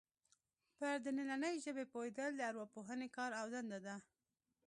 پر دنننۍ ژبې پوهېدل د ارواپوهنې کار او دنده ده